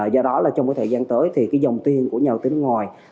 do đó trong thời gian tới dòng tiền của nhà đầu tư nước ngoài